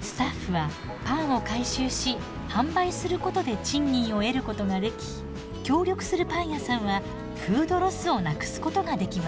スタッフはパンを回収し販売することで賃金を得ることができ協力するパン屋さんはフードロスをなくすことができます。